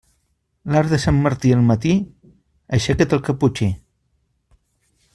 L'arc de Sant Martí al matí, aixeca't el caputxí.